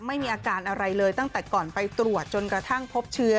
ไม่มีอาการอะไรเลยตั้งแต่ก่อนไปตรวจจนกระทั่งพบเชื้อ